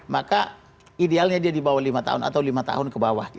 maka idealnya dia di bawah lima tahun atau lima tahun ke bawah